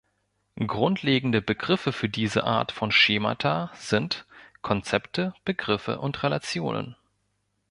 Grundlegende Begriffe für diese Art von Schemata sind: Konzepte, Begriffe und Relationen.